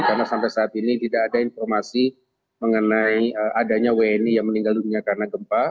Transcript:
karena sampai saat ini tidak ada informasi mengenai adanya wni yang meninggal dunia karena gempa